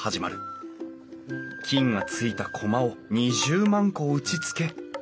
菌がついたコマを２０万個打ちつけ